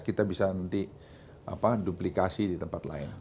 kita bisa nanti duplikasi di tempat lain